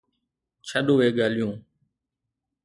ڇڏ اهي ڳالهيون.